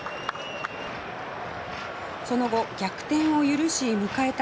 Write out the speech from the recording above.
その後逆転を許し迎えた